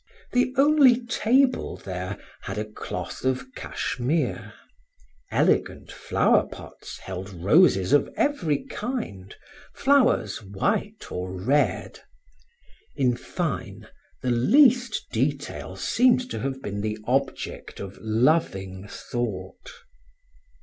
The only table there had a cloth of cashmere. Elegant flower pots held roses of every kind, flowers white or red. In fine, the least detail seemed to have been the object of loving thought.